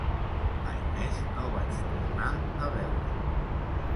Mai més no vaig tornar a veure'l.